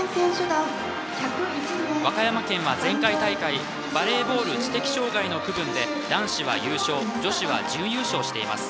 和歌山県は前回大会バレーボール知的障害の区分で男子は優勝女子は準優勝しています。